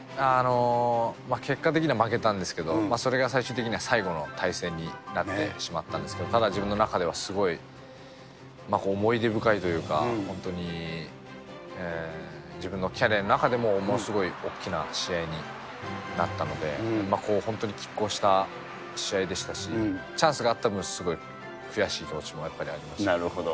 結果的には負けたんですけど、それが最終的には最後の対戦になってしまったんですけど、ただ自分の中ではすごい思い出深いというか、本当に、自分のキャリアの中でも、ものすごい大きな試合になったので、本当にきっ抗した試合でしたし、チャンスがあった分、すごい悔しなるほど。